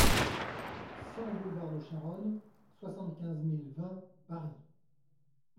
cent boulevard de Charonne, soixante-quinze mille vingt Paris